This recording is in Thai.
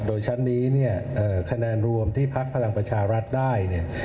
โดยชั้นนี้เนี่ยคะแนนรวมที่พักพลังประชารัฐได้เนี่ย